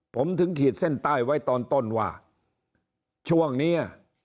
ผมถึงขีดเส้นใต้ไว้ตอนต้นว่าช่วงนี้